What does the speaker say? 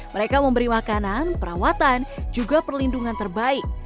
mereka memberi makanan perawatan juga perlindungan terbaik